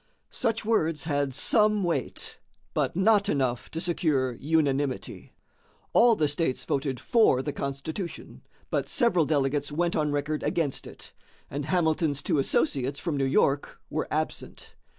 Such words had some weight, but not enough to secure unanimity. All the states voted for the Constitution, but several delegates went on record against it, and Hamilton's two associates from New York were absent.